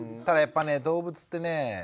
ただやっぱね動物ってね